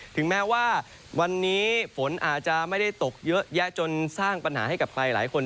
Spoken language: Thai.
ถึงแม้ว่าวันนี้ฝนอาจจะไม่ได้ตกเยอะแยะจนสร้างปัญหาให้กับใครหลายคน